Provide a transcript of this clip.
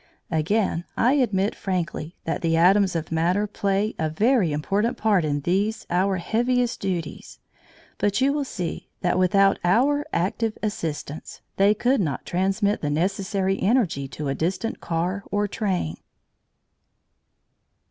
Again I admit frankly that the atoms of matter play a very important part in these our heaviest duties, but you will see that without our active assistance they could not transmit the necessary energy to a distant car or train.